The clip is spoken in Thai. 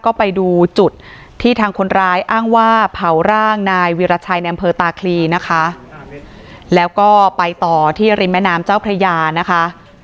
ก็ไปดูจุดที่ทางคนร้ายอ้างว่าเผาร่างนายวีรชัยในอำเภอตาคลีนะคะแล้วก็ไปต่อที่ริมแม่น้ำเจ้าพระยานะคะ